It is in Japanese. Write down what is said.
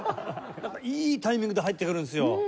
いいタイミングで入ってくるんですよ。